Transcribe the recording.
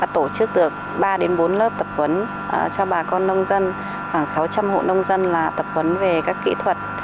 tổ chức được ba đến bốn lớp tập huấn cho bà con nông dân khoảng sáu trăm linh hộ nông dân là tập huấn về các kỹ thuật